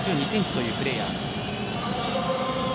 １ｍ８２ｃｍというプレーヤー。